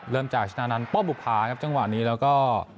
เริ่มจากชนะนันป้อบุพาร์ช่างหวะนี้แล้วก็